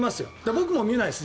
僕も見ないです。